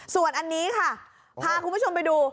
ส่วนอันนี้ค่ะพาคุณผู้ชมไปดู